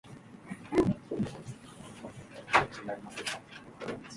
She hosted a show on Bravo called "Arts-Break".